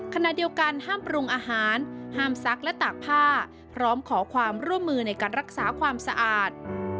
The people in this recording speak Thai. ขณะเดียวกันห้ามปรุงอาหารห้ามซักและตากผ้าพร้อมขอความร่วมมือในการรักษาความสะอาด